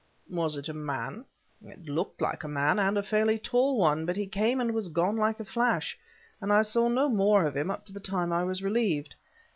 "Was it a man?" "It looked like a man, and a fairly tall one, but he came and was gone like a flash, and I saw no more of him up to the time I was relieved.